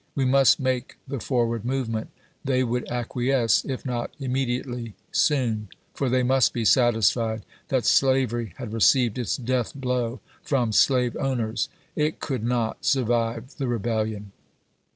We must make the for ward movement. They would acquiesce, if not immedi ately, soon ; for they must be satisfied that slavery had received its death blow from slave owners — it could not survive the rebellion.